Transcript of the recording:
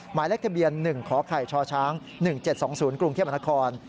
หมายแรกทะเบียน๑ขไข่ชช้าง๑๗๒๐กรุงเทียบอันทคล